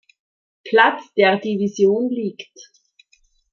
Platz der Division liegt.